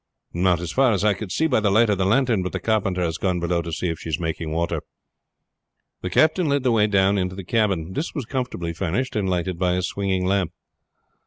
"Not as far as I could see by the light of the lantern, but the carpenter has gone below to see if she is making water." The captain led the way down into the cabin. This was comfortably furnished and lighted by a swinging lamp.